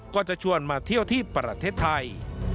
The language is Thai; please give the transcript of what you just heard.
ก็จะชวนมาเที่ยวที่ประเทศไทย